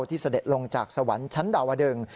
เสด็จลงจากสวรรค์ชั้นดาวดึง